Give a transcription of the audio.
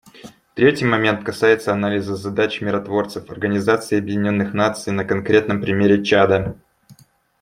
Третий момент касается анализа задач миротворцев Организации Объединенных Наций на конкретном примере Чада.